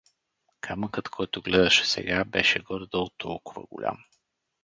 Камъкът, който гледаше сега, беше горе-долу толкова голям.